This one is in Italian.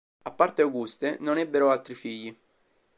A parte Auguste, non ebbero altri figli.